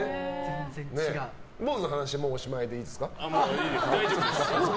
坊主の話はおしまいでいいですか。